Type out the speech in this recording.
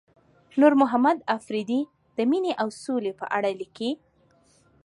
نورمحمد اپريدي د مينې او سولې په اړه ليکلي.